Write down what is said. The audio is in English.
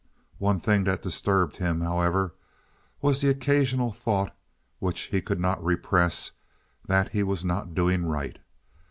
One thing that disturbed him, however, was the occasional thought, which he could not repress, that he was not doing right.